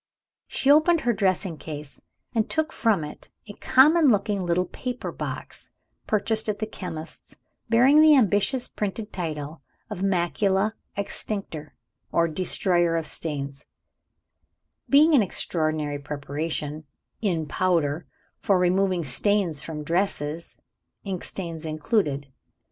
She opened her dressing case and took from it a common looking little paper box, purchased at the chemist's, bearing the ambitious printed title of "Macula Exstinctor, or Destroyer of Stains" being an ordinary preparation, in powder, for removing stains from dresses, ink stains included.